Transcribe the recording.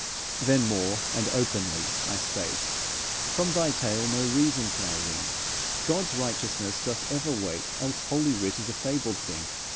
Then more, and openly, I spake: "From thy tale no reason can I wring; God's righteousness doth ever wake, Else Holy Writ is a fabled thing.